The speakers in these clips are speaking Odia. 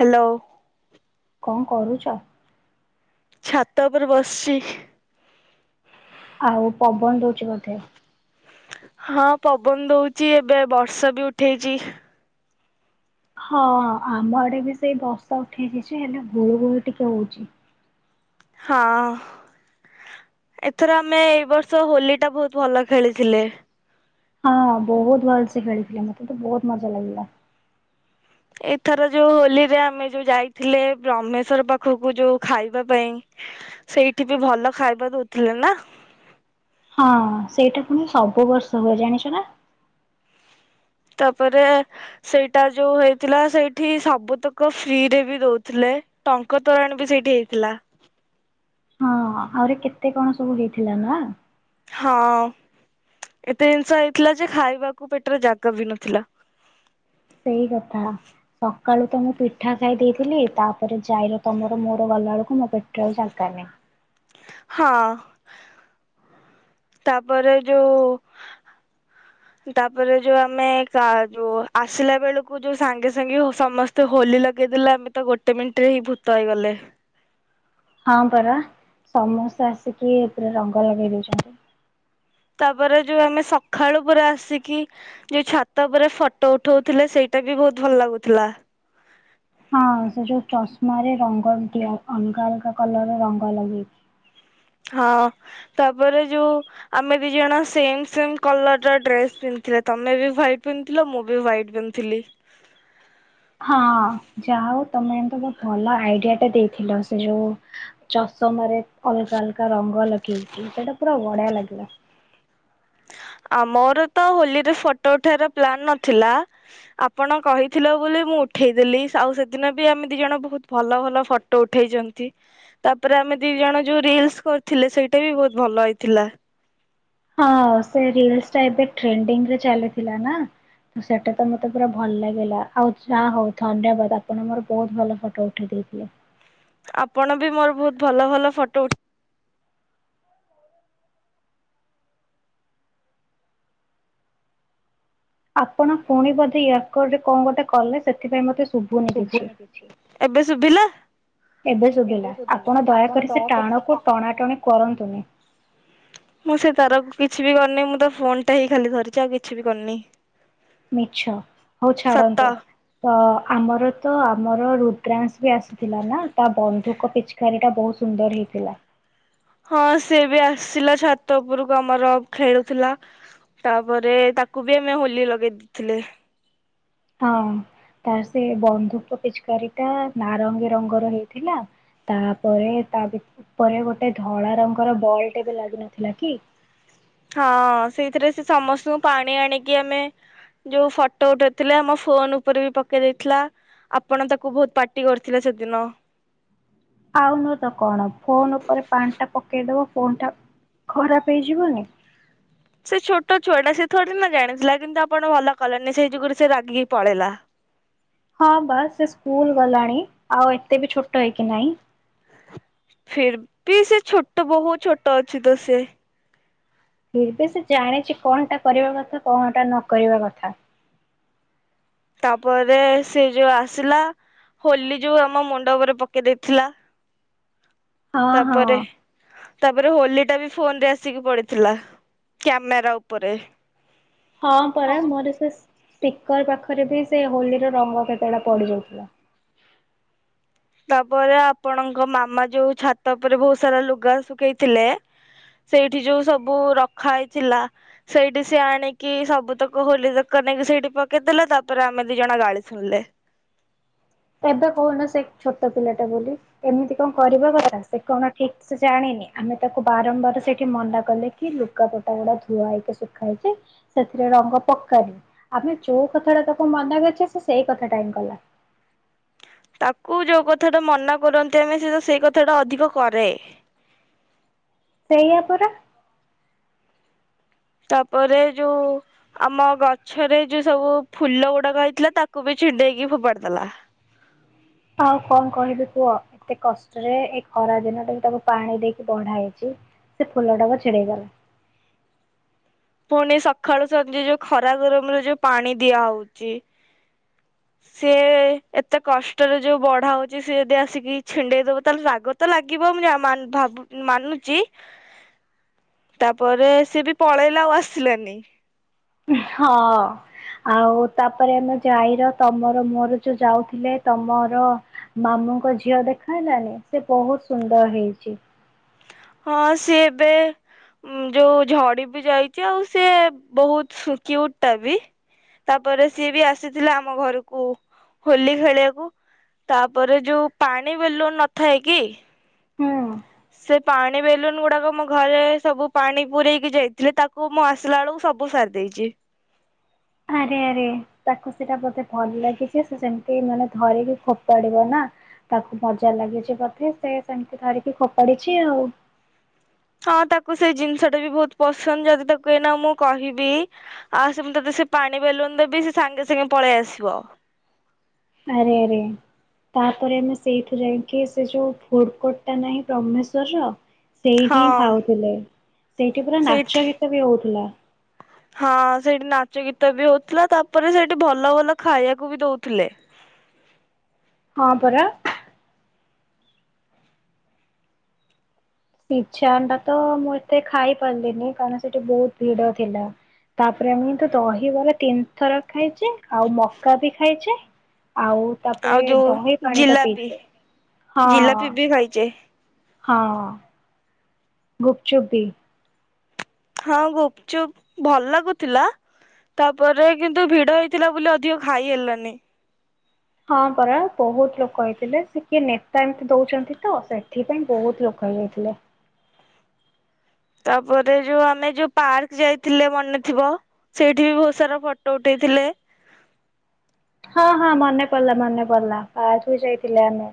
ହ୍ୟାଲୋ। କଣ କରୁଛ। ଛାତ ଉପରେ ବସିଛି। ଆଉ ପବନ ଦଉଛି ବୋଧେ। ହଁ ପବନ ଦଉଛି ଏବେ ବର୍ଷା ବି ଉଠେଇଛି। ହଁ ଆମ ଆଡେ ବି ସେଇ ବର୍ଷାଉଠେଇଛି ଯେ ହେଲେ ଗୁଳୁ ଗୁଳି ଟିକେ ହଉଛି। ହଁ ଏଥର ଆମେ ଏଇ ବର୍ଷ ହୋଲି ଟା ବହୁତ ଭଲ ଖେଳିଥିଲେ। ହଁ ବହୁତ ଭଲ ସେ ଖେଳିଥିଲେ। ମତେ ତ ବହୁତ ମଜା ଲାଗିଲା। ଏଥର ଯୋଉ ହୋଲିରେ ଆମେ ଯୋଉ ଯାଇଥିଲେ ବ୍ରହ୍ମେଶ୍ଵର ପାଖକୁ ଯୋଉ ଖାଇବା ପାଇଁ ସେଇଠି ବି ଭଲ ଖାଇବା ଦଉଥିଲେ ନା। ହଁ ସେଇଟା ପୁଣି ସବୁ ବର୍ଷ ହୁଏ ଜାଣିଛ ନା। ତାପରେ ସେଇଟା ଯୋଉ ହେଇଥିଲା ସେଇଠି ସବୁତକ ଫ୍ରିରେ ବି ଦଉଥିଲେ ଡଙ୍କ ତୋରାଣ ବି ସେଇଠି ହେଇଥିଲା। ହଁ ଆହୁରି କେତେ କଣ ସବୁ ହେଇଥିଲା ନା। ହଁ ଏତେ ଜିନିଷ ହେଇଥିଲା ଯେ ଖାଇବାକୁ ପେଟରେ ଜାଗା ବି ନଥିଲା। ସେଇ କଥା ସକାଳୁ ତ ମୁଁ ପିଠା ଖାଇ ଦେଇଥିଲି। ତାପରେ ଯାଇର ତମର ମୋର ଗଲା ବେଳକୁ ମୋ ପେଟରେ ଆଉ ଜାଗା ନାହିଁ। ହଁ ତାପରେ ଯୋଉ ତାପରେ ଯୋଉ ଆମେ ଯୋଉ ଆସିଲା ବେଳକୁ ଯୋଉ ସାଙ୍ଗେ ସାଙ୍ଗେ ସମସ୍ତେ ହୋଲି ଲଗେଇ ଦେଲେ ଆମେ ତ ଗୋଟେ ମିନିଟ ରେ ହିଁ ଭୂତ ହେଇଗଲେ। ହଁ ପରା ସମସ୍ତେ ଆସିକି ପୁରା ରଙ୍ଗ ଲଗେଇ ଦଉଛନ୍ତି। ତାପରେ ଯୋଉ ଆମେ ସକାଳୁ ଉପ ଆସିକି ଯୋଉ ଛାତ ଉପରେ ଫଟୋ ଉଠଉଥିଲେ ସେଇଟା ବି ବହୁତ ଭଲ ଲାଗୁଥିଲା। ହଁ ସେ ଯଉ ଚଷମାରେ ରଙ୍ଗ ଦିଆ ଅଲଗା ଅଲଗା କଲର ରଙ୍ଗ ଲଗେଇଛି। ହଁ ତାପରେ ଯୋଉ ଆମେ ଦି ଜଣ ସେମ ସେ କଲର ର ଡ୍ରେସ ପିନ୍ଧିଥିଲେ ତମେ ବି ହ୍ାଇଟ ପିନ୍ଧିଥିଲ ମୁଁ ବି ହ୍ାଇଟ ପିନ୍ଧିଥିଲି। ହଁ ଯା ହଉ ତମେ ଏମତି ଗୋ ଭଲ ଆଇଡିଆ ଟା ଦେଇଥିଲ ସେ ଯୋଉ ଚଷମରେ ଅଲଗା ଅଲଗା ରଙ୍ଗ ଲଗେଇକି ସେଇଟା ପୁରା ବଢିଆ ଲାଗିଲା। ଆମର ତ ହୋଲିରେ ଫଟୋ ଉଠେଇାର ପ୍ଲାନ ନଥିଲା ଆପଣ କହିଥିଲେ ବୋଲି ମୁଁ ଉଠେଇଦେଲି ଆଉ ସେଦିନ ବି ଆମେ ଦି ଜଣ ବହୁତ ଭଲ ଭଲ ଫଟୋ ଉଠେଇଛନ୍ତି। ତାପରେ ଆମେ ଦି ଜଣ ଯୋଉ ରିଲସ କରିଥିଲେ ସେଇଟା ବି ବହୁତ ଭଲ ହେଇଥିଲା। ହଁ ସେ ର ଟା ଏବେ ଟେଣ୍ଡିରେ ଚାଲିଥିଲା ନା । ତ ସେଟା ତ ମତେ ପୁର ଭଲ ଲାଗିଲା ଆଉ ଯାହା ହଉ ଧନ୍ୟବାଦ ଆପଣ ମୋର ବହୁତ ଭଲ ଫଟୋ ଉଠେଇ ଦେଇଥିଲେ। ଆପଣ ବି ମୋର ବହୁତ ଭଲ ଭଲ ଫଟୋ ଉଠ ଆପଣ ପୁଣି ବୋଧେ ୟାରକୋର୍ଟରେ କଣ ଗୋଟେ କଲେ ସେଥିପାଇଁ ମତେ ଶୁଭୁନି ।ଏବେ ଶୁଭିଲା। ଏବେ ଶୁଭିଲା ଆପଣ ଦୟାକରି ସେ ଟାଣକୁ ଟଣାଟଣି କରନ୍ତୁନି। [inaudible] ମୁଁ ସେ ତ କିଛି ବି କରିନି ମୁଁ ତ ଫୋନଟା ହେଇ ଖାଲି ଧରିଛି। ଆଉ କିଛି ବି କରିନି। ମିଛ ହଉ ସତ। ଛାଡ଼ନ୍ତୁ ।ତ ଆମର ତ ଆମର ରୁଦ୍ରାଂଶ ବି ଆସିଥିଲା ନା ତା ବନ୍ଧୁକ ପିଚକାରୀ ଟା ବହୁତ ସୁନ୍ଦର ହେଇଥିଲା। ହଁ ସେ ବି ଆସିଲା ଛାତ ଉପରକୁ ଆମର ଖେଳୁଥିଲା। ତାପରେ ତାକୁ ବି ଆମେ ହୋଲି ଲଗେଇ ଦେଇଥିଲୁ। ହଁ ତ ସେ ବନ୍ଧୁକ ପିଚକାରୀ ଟା ନାରଙ୍ଗୀ ରଙ୍ଗର ହେଇଥିଲା ତାପରେ ତା ଉପରେ ଗୋଟେ ଧଳା ରଙ୍ଗର ବଲ୍ଟ ବି ଲାଗିିନଥିଲା କି ହଁ ସେଇଥିରେ ସେ ସମସ୍ତଙ୍କୁ ପାଣି ଆଣିକି ଆମେ ଯୋଉ ଫଟୋ ଉଠେଇଥିଲେ ଆମ ଫୋନ ଉପରେ ବି ପକେଇ ଦେଇଥିଲା ଆପଣ ତାକୁ ବହୁତ ପାାର୍ଟି କରିଥିଲେ ସେଦିନ ଆଉ ନୁହଁ ତ କଣ ଫୋନ୍ଟା ଖରାପ ହେଇଯିବନି ସେ ଛୋଟ ଛୁଆଟା ସେ ଥୋଡ଼ି ନା ଜାଣିଥିଲା କିନ୍ତୁ ଆପଣ ଭଲ କଲନି ସେଇ ଯୁଗରେ ସେ ରାଗିକି ପଳେଇଲା ହଁ ବାସ ସେ ସ୍କୁଲ ଗଲାଣି ଆଉ ଏତେ ବି ଛୋଟ ହେଇକି ନାହିଁ ଫିର୍ ବି ସେ ଛୋଟ ବୋହୁତ ଛୋଟ ଅଛି ତ ସେ ଫିର୍ ବି ସେ ଜାଣିଛି କଣ ଟା କରିବା କଥା କଣଟା ନକରିବା କଥା ତାପରେ ସେ ଯୋଉ ଆସିଲା ହୋଲି ଯୋଉ ଆମ ମୁଣ୍ଡ ଉପରେ ପକେଇ ଦେଇଥିଲା ହଁ ହଁ ତାପରେ ତାପରେ ହୋଲି ଟା ବି ଫୋନ ରେ ଆସିକି ପଡିଥିଲା କ୍ୟାମେରା ଉପରେ ହଁ ପରା ମରିସେ ସ୍ପିକର ପାଖରେ ବି ସେ ହୋଲିର ରଙ୍ଗ କେତେଟା ପଡି ଯାଉଥିଲା ତାପରେ ଆପଣଙ୍କ ମାମା ଯୋଉ ଛାତ ଉପରେ ବହୁତ ସାରା ଲୁଗା ଶୁଖେଇଥିଲେ ସେଇଠି ଯୋଉ ସବୁ ରଖା ହେଇଥିଲା ସେଇଠି ସି ଆଣିକି ସବୁତକ ହୋଲି ତକ ନେଇକି ସେଇଠି ପକେଇଦଲେ ତାପରେ ଆମେ ଦି ଜଣ ଗାଳି ଶୁଣିଲେ ଏବେ କହୁନ ସେ ଛୋଟ ପିଲାଟା ବୋଲି ଏମିତି କଣ କରିବା କଥା ସେ କଣ ଠିକ ସେ ଜାଣିନି ଆମେ ତାକୁ ବାରମ୍ବାର ସେଇଠି ମନା କଲେ କି ଲୁଗାପଟା ଗୁଡା ଧୁଆ ହେଇକି ଶୁଖା ହେଇଛି ସେଥିରେ ରଙ୍ଗ ପକାନି ଆମେ ଯୋଉ କଥା ଟା ତାକୁ ମନା କରିଛେ ସେ ସେଇ କଥାଟା ହିଁ କଲା ତାକୁ ଯୋଉ କଥା ଟା ମନା କରନ୍ତି ଆମେ ସେ ତ ସେଇ କଥା ଟା ଅଧିକ କରେ ସେଇାପରା ତାପରେ ଯୋଉ ଆମ ଗଛରେ ଯୋଉ ସବୁ ଫୁଲ ଗୁଡାକ ହେଇଥିଲା ତାକୁ ବି ଛିଣ୍ଡେଇକି ଫୋପାଡିଦେଲା ଆଉ କଣ କହିବି କୁହ ଏତେ କଷ୍ଟରେ ଏ ଖରା ଦିନ ଟା ବି ତାକୁ ପାଣି ଦେଇକି ବଢା ହେଇଛି ସେ ଫୁଲ ଟାକୁ ଛିଡେଇଦେଲା ପୁଣି ସକାଳୁ ସଞ୍ଜେ ଯୋଉ ଖରା ଗରମରେ ଯୋଉ ପାଣି ଦିଆ ହଉଛି ସିଏ ଏତେ କଷ୍ଟରେ ଯୋଉ ବଢା ହଉଛି ସିଏ ଯଦି ଆସିକି ଛିଣ୍ଡେଇ ଦବ ତାହେଲେ ରାଗ ତ ଲାଗିବ ମୁାବ ମାନୁଛି ତାପରେ ସିଏ ବି ପଳେଇ ଆଉ ଆସିଲାନି ହଁ ଆଉ ତାପରେ ଆମେ ଯାଇର ତମର ମୋର ଯୋଉ ଯାଉଥିଲେ ତମର ମାମୁଙ୍କ ଝିଅ ଦେଖାହଲାନି ସେ ବହୁତ ସୁନ୍ଦର ହେଇଛି ହଁ ସିଏ ଏବେ ଯୋଉ ଝଡି ବି ଯାଇଛି ଆଉ ସିଏ ବହୁତ କ୍ୟୁଟ ଟା ବି ତାପରେ ସିଏ ବି ଆସିଥିଲା ଆମ ଘରକୁ ହୋଲି ଖେଳିବାକୁ ତାପରେ ଯୋଉ ପାଣି ବେଲୁନ ନଥାଏ କି ହୁଁ ସେ ପାଣି ବେଲୁନ ଗୁଡାକ ମୋ ଘରେ ସବୁ ପାଣି ପୂରେଇକି ଯାଇଥିଲେ ତାକୁ ମୁଁ ଆସିଲା ବେଳକୁ ସବୁ ସାରି ଦେଇଛି ଆରେ ଆରେ ତାକୁ ସେଇଟା ବୋଧେ ଭଲ ଲାଗିଛି ସେ ସେମତି ମାନେ ଧରିକି ଫୋପାଡିବ ନା ତାକୁ ମଜା ଲାଗିଛି ବୋଧେ ସେ ସେମତି ଧରିକି ଫୋପାଡିଛି ଆଉ ହଁ ତାକୁ ସେଇ ଜିନିଷ ଟା ବି ବହୁତ ପସନ୍ଦ ଯଦି ତାକୁ ଏଇନା ମୁଁ କହିବି ଆଉ ସେ ତତେ ସେ ପାଣି ବେଲୁନ ଦେବି ସେ ସାଙ୍ଗେ ସାଙ୍ଗେ ପଳେଇ ଆସିବ ଆରେ ଆରେ ତାପରେ ଆମେ ସେଇଠୁ ଯାଇକି ସେ ଯୋଉ ଫୁଡକୋଟ ଟା ନାହିଁ ବ୍ରହ୍ମେଶ୍ଵରର ସେଇଠି ହିଁ ହଁ ଖାଉଥିଲେ ସେଇଠି ପୁରା ନାଚ ସେଇଠି ଗୀତ ବି ହଉଥିଲା ହଁ ସେଠି ନାଚ ଗୀତ ବି ହଉଥିଲା ତାପରେ ସେଠି ଭଲ ଭଲ ଖାଇବାକୁ ବି ଦଉଥିଲେ ହଁ ପରା ସିଝା ଅଣ୍ଡା ତ ମୁଁ ଏତେ ଖାଇ ପାରିଲିନି କାରଣ ସେଠି ବହୁତ ଭିଡ ଥିଲା ତାପରେ ମୁଁ କିନ୍ତୁ ଦହିବରା ତିନିଥର ଖାଇଛେ ଆଉ ମକା ବି ଖାଇଛେ ଆଉ ତାପରେ ଆଉ ଦହି ଯୋଉ ପାଣି ତ ଜିଲାପି ପିଇଛେ ହଁ ଜିଲାପି ବି ଖାଇଛେ ହଁ ଗୁପଚୁପ ବି ହଁ ଗୁପଚୁପ ଭଲ ଲାଗୁଥିଲା ତାପରେ କିନ୍ତୁ ଭିଡ ହେଇଥିଲା ବୋଲି ଅଧିକ ଖାଇ ହେଲାନି ହଁ ପରା ବହୁତ ଲୋକ ହେଇଥିଲେ ସେ କିଏ ନେତା ଏମିତି ଦଉଛନ୍ତି ତ ସେଥିପାଇଁ ବହୁତ ଲୋକ ହେଇଯାଇଥିଲେ ତାପରେ ଯୋଉ ଆମେ ଯୋଉ ପାର୍କ ଯାଇଥିଲେ ମନେ ଥିବ ସେଇଠି ବି ବହୁତ ସାରା ଫଟୋ ଉଠେଇଥିଲେ ହଁ ହଁ ମନେ ପଡିଲା ମନେ ପଡିଲା ପାର୍କ ଯଉ ଯାଇଥିଲେ ଆମେ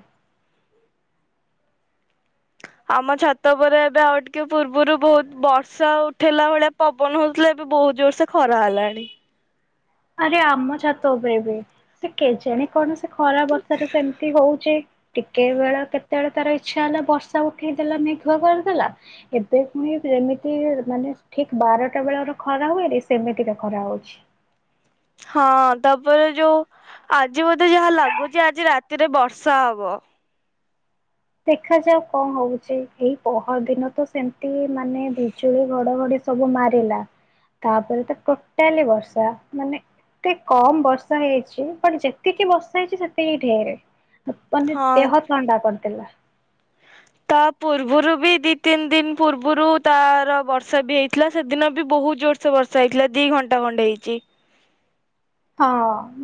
ଆମ ଛାତ ଉପରେ ଏବେ ଆଉ ଟିକେ ପୂର୍ବରୁ ବହୁତ ବର୍ଷା ଉଠେଇଲାା ଭଳିଆ ପବନ ହଉଥିଲା ଏବେ ବହୁତ ଜୋରସେ ଖରା ହେଲାଣି ଆରେ ଆମ ଛାତ ଉପରେ ବି ସେ କେଜାଣି କଣ ସେ ଖରା ବର୍ଷା ଟା ସେମିତି ହଉଛି ଟିକେ ବେଳ କେତେବେଳେ ତାର ଇଚ୍ଛା ହେଲା ବର୍ଷା ଉଠେଇଦେଲା ମେଘୁଆ କରିଦେଲା ଏବେ ପୁଣି ଯେମିତି ମାନେ ଠିକ ବାରଟା ବେଳର ଖରା ହୁଏନି ସେମିତିକା ଖରା ହଉଛି ହଁ ତାପରେ ଯୋଉ ଆଜି ବୋଧେ ଯାହା ଲାଗୁଛି ଆଜି ରାତିରେ ବର୍ଷା ହବ ଦେଖାଯାଉ କଣ ହଉଛି ଏଇ ପହର ଦିନ ତ ସେମିତି ମାନେ ବିଜୁଳି ଘଡଘଡି ସବୁ ମାରିଲା ତାପରେ ତ ଟୋଟାଲି ବର୍ଷା ମାନେ ଏତେ କମ୍ ବର୍ଷା ହେଇଚି ବଟ ଯେତିକି ବର୍ଷା ହେଇଚି ସେତିକି ଢ଼େରେ। ହଁ [unintelligible] ତା ପୂର୍ବରୁ ବି ଦି ତିନି ଦିନ ପୂର୍ବରୁ ତାର ବର୍ଷା ବି ହେଇଥିଲା ସେଦିନ ବି ବହୁତ ଜୋରସୋ ବର୍ଷା ହେଇଥିଲା ଦି ଘଣ୍ଟା ଖଣ୍ଡେ ହେଇଛି ହଁ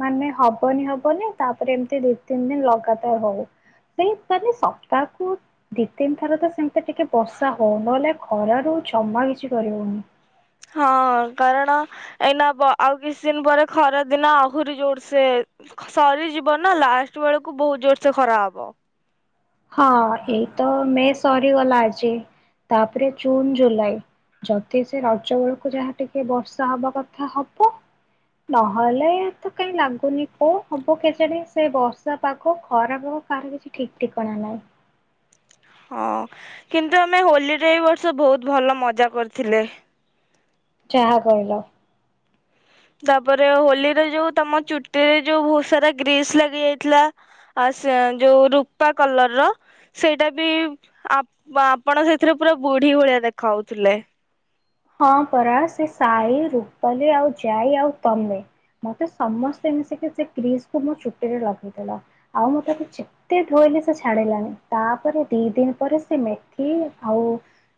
ମାନେ ହବନି ହବନି ତାପରେ ଏମିତି ଦି ତିନି ଦିନ ଲଗାତାର ହଉ ସେଇ ମାନେ ସପ୍ତାହକୁ ଦି ତିନି ଥର ତ ସେମିତି ଟିକେ ବର୍ଷା ହଉ ନହେଲେ ଖରାରୁ ଜମା କିଛି କରିହଉନି। ହଁ କାରଣ ଏଇନା ଆଉ କିଛି ଦିନ ପରେ ଖରା ଦିନ ଆହୁରି ଜୋରସେ ସରିଯିବ ନା ଲାଷ୍ଟ ବେଳକୁ ବହୁତ ଜୋରସେ ଖରା ହବ। ହଁ ଏଇ ତ ମେ ସରିଗଲା ଆଜି ତାପରେ ଜୁନ ଜୁଲାଇ ଯଦି ସେ ରଜ ବେଳକୁ ଯାହାଟିକେ ବର୍ଷା ହବାକଥା ହବ ନହଲେ ତ କାଇଁ ଲାଗୁନି କଣ ହେବ କେଜାଣି ସେ ବର୍ଷାପାଗ ଖରାପାଗ କାହାର କିଛି ଠିକ ଠିକଣା- ପଣା ନାଇ ହଁ କିନ୍ତୁ ଆମେ ହୋଲିରେ ଏଇ ବର୍ଷ ବହୁତ ଭଲ ମଜା କରିଥିଲେ। ଯାହା କହିଲ। ତାପରେ ହୋଲିରେ ଯୋଉ ତମ ଚୁଟିରେ ଯୋଉ ବହୁତ ସାରା ଗ୍ରୀସ୍ ଲାଗି ଯାଇଥିଲା ଆ ଯୋଉ ରୁପା କଲର ର ସେଇଟା ବି ଆପଣ ସେଥିରେ ପୁରା ବୁଢୀ ଭଳିଆ ଦେଖାଉଥିଲେ। ହଁ ପରା ସେ ସାଇ, ରୂପାଲି ଆଉ ଯାଇ ଆଉ ତମେ ମତେ ସମସ୍ତେ ମିଶିକି ସେ କ୍ରିସ ମୋ ଚୁଟିରେ ଲଗେଇଦେଲା ଆଉ ମୁଁ ତାକୁ ଯେତେ ଧୋଇଲେ ସେ ଛାଡିଲାନି ତାପରେ ଦି ଦିନ ପରେ ସେ ମେଥି ଆଉ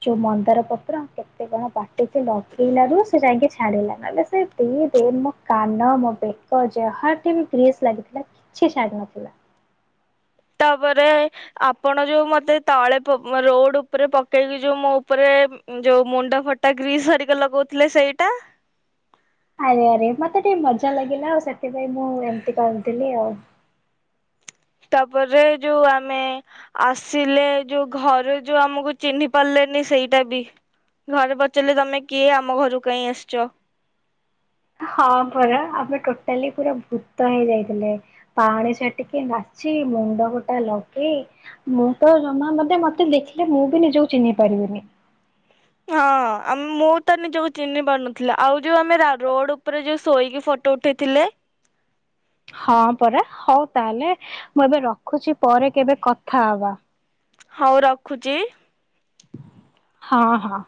ଯୋଉ ମନ୍ଦାର ପତ୍ର କେତେ କଣ ବାଟି ଟିକେ ଲଗେଇଲାରୁ ସେ ଯାଇକି ଛା ଛାଡିଲା ନଲେ ସେ ଦି ଦିନ ମୋ କାନ ମୋ ବେକ ଯାହାଠି ବି ଗ୍ରୀସ୍ ଲାଗିଥିଲା କିଛି ଛାଡି ନଥିଲା। ତାପରେ ଆପଣ ଯୋଉ ମତେ ତଳେ ପ ରୋଡ ଉପରେ ପକେଇକି ଯୋଉ ମୋ ଉପରେ ଯୋଉ ମୁଣ୍ଡ ଫଟା ଗ୍ରୀସ ଘରିକା ଲଗଉଥିଲେ ସେଇଟା। ଆରେ ଆରେ ମତେ ଟିକେ ମଜା ଲାଗିଲା ଆଉ ସେଥିପାଇ ମୁଁ ଏମିତି କରିଦେଲି ଆଉ। ତାପରେ ଯୋଉ ଆମେ ଆସିଲେ ଯୋଉ ଘରେ ଯୋଉ ଆମକୁ ଚିହ୍ନି ପାରିଲେନି ସେଇଟା ବି ଘରେ ପଚାରିଲେ ତମେ କିଏ ଆମ ଘରକୁ କାଇଁ ଆସିଚ। ହଁ ପରା ଆମେ ଟୋଟାଲି ପୁରା ଭୂତ ହେଇଯାଇଥିଲେ ପାଣି ଛାଟିକି ନାଚି ମୁଣ୍ଡ ଫଟା ଲଗେଇ ମୁଁ ତ ଜମା ମତେ ମତେ ଦେଖିଲେ ମୁଁ ବି ନିଜକୁ ଚିହ୍ନି ପାରିବିନି। ହଁ ଆମ୍ ମୁଁ ତ ନିଜକୁ ଚିହ୍ନି ପାରୁନଥିଲା ଆଉ ଯୋଉ ଆମେ ରା ରୋଡ ଉପରେ ଯୋଉ ଶୋଇକି ଫଟୋ ଉଠେଇଥିଲେ। ହଁ ପରା ହଉ ତାହେଲେ ମୁଁ ଏବେ ରଖୁଛି ପରେ କେବେ କଥା ହବା। ହଉ ରଖୁଚି। ହଁ ହଁ।